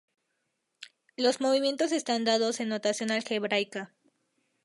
Los movimientos están dados en notación algebraica.